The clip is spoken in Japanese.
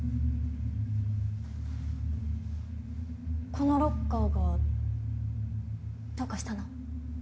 このロッカーがどうかしたの？